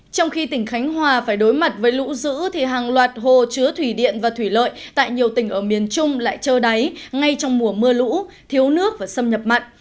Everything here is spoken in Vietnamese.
trong khi tỉnh khánh hòa phải đối mặt với lũ dữ thì hàng loạt hồ chứa thủy điện và thủy lợi tại nhiều tỉnh ở miền trung lại trơ đáy ngay trong mùa mưa lũ thiếu nước và xâm nhập mặn